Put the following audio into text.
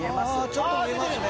ちょっと見えますね